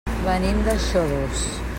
Venim de Xodos.